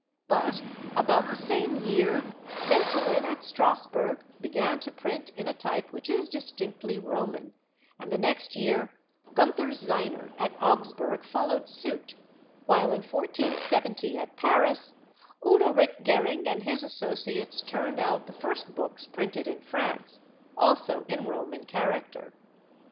But about the same year Mentelin at Strasburg began to print in a type which is distinctly Roman; and the next year Gunther Zeiner at Augsburg followed suit; while in 1470 at Paris Udalric Gering and his associates turned out the first books printed in France, also in Roman character.